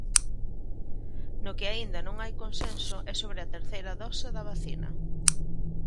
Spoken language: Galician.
No que aínda non hai consenso é sobre a terceira dose da vacina.